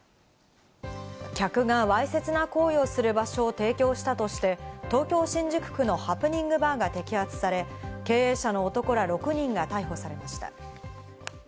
客がわいせつな行為をする場所を提供したとして、東京・新宿区のハプニングバーが摘発され、経営者の男ら６人が逮捕されました。